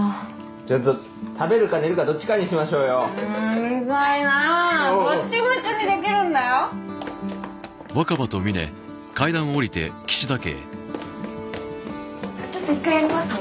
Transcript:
ちょっと食べるか寝るかどっちかにしましょうよははははっうるさいなどっちも一緒にできるんだよちょっと一回寄りますね